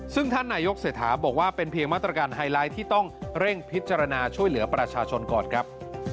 ซึ่งท่านนายกเศรษฐาบอกว่าเป็นเพียงมาตรการไฮไลท์ที่ต้องเร่งพิจารณาช่วยเหลือประชาชนก่อนครับ